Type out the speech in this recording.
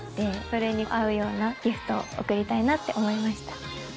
それに合うようなギフトを贈りたいなって思いました。